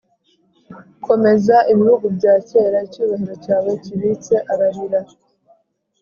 “komeza, ibihugu bya kera, icyubahiro cyawe kibitse!” ararira